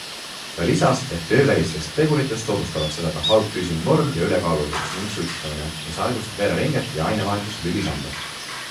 Ta lisas, et töövälistest teguritest soodustavad seda ka halb füüsiline vorm ja ülekaalulisus ning suitsetamine, mis aeglustab vereringet ja ainevahetust lülisambas.